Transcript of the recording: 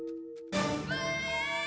うわ！